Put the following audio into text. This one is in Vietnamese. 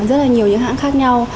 rất là nhiều những hãng khác nhau